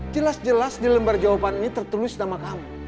jelas jelas di lembar jawaban ini tertulis nama kamu